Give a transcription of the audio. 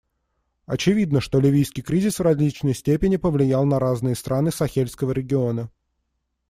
Очевидно, что ливийский кризис в различной степени повлиял на разные страны Сахельского региона.